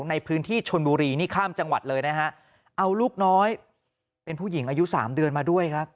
ในพื้นที่ชนบุรีนี่ข้ามจังหวัดเลยนะฮะเอาลูกน้อยเป็นผู้หญิงอายุสามเดือนมาด้วยครับ